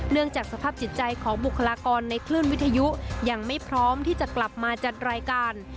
จากสภาพจิตใจของบุคลากรในคลื่นวิทยุยังไม่พร้อมที่จะกลับมาจัดรายการ